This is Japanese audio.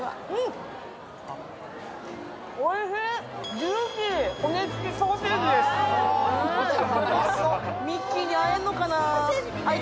おいしい！